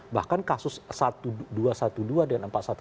bahkan kasus dua ratus dua belas dan empat ratus dua belas